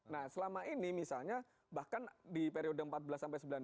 nah selama ini misalnya bahkan di periode empat belas sampai sembilan belas